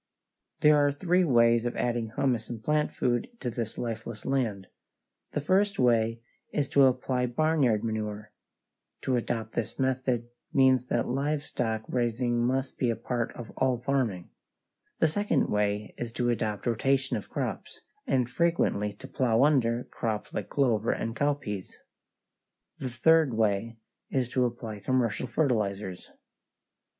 There are three ways of adding humus and plant food to this lifeless land: the first way is to apply barnyard manure (to adopt this method means that livestock raising must be a part of all farming); the second way is to adopt rotation of crops, and frequently to plow under crops like clover and cowpeas; the third way is to apply commercial fertilizers.